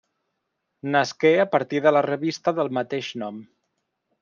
Nasqué a partir de la revista del mateix nom.